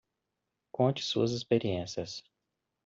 Conte suas experiências.